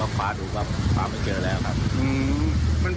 รีบคว้าดูเพราะว่าเด็กได้จมลงไปแล้ว